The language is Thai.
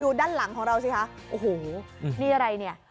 ด้านหลังของเราสิคะโอ้โหนี่อะไรเนี่ย